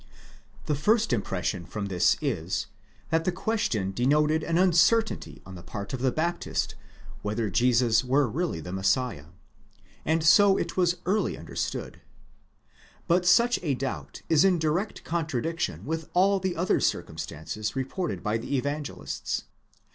. The first impression from this is, that the question denoted an uncertainty on the part of the Baptist whether Jesus were really the Messiah ; and so it was early understood.!. But such a doubt is in direct contradiction with all the other circumstances reported by the Evangelists.